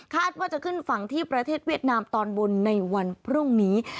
ว่าจะขึ้นฝั่งที่ประเทศเวียดนามตอนบนในวันพรุ่งนี้